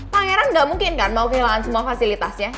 pangeran nggak mungkin kan mau kehilangan semua fasilitasnya